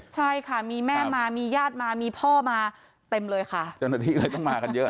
ใช่ค่ะมีแม่มามีญาติมามีพ่อมาเต็มเลยค่ะต้องมากันเยอะ